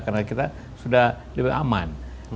karena kita sudah lebih aman